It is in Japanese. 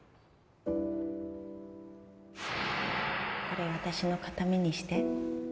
これ私の形見にして